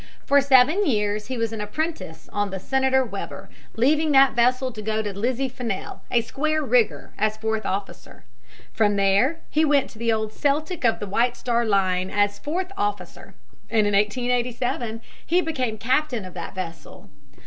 For seven years he was an apprentice on the Senator Weber, leaving that vessel to go to the Lizzie Fennell, a square rigger, as fourth officer. From there he went to the old Celtic of the White Star Line as fourth officer and in 1887 he became captain of that vessel.